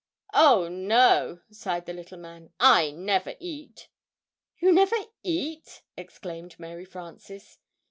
"Oh, no," sighed the little man, "I never eat." "You never eat!" exclaimed Mary Frances.